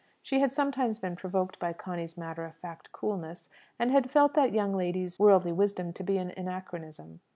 She had sometimes been provoked by Conny's matter of fact coolness, and had felt that young lady's worldly wisdom to be an anachronism.